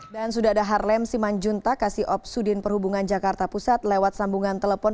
dan sudah ada harlem siman junta kasih obsudin perhubungan jakarta pusat lewat sambungan telepon